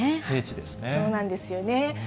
そうなんですよね。